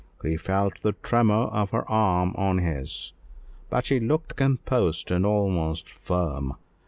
He felt the tremor of her arm on his, but she looked composed and almost firm.